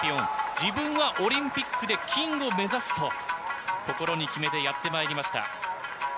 自分はオリンピックで金を目指すと心に決めてやってまいりました。